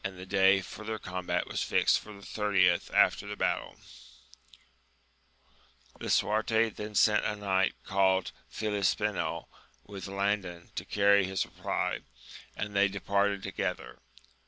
15 the day for their combit WM fijoed for the thirtieth after the battle. Lisuwte then Mat a knight called Filispinel with Landin to oaixy bia reply, and they departed together.